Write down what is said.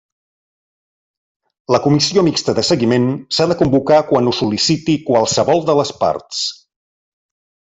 La Comissió Mixta de Seguiment s'ha de convocar quan ho sol·liciti qualsevol de les parts.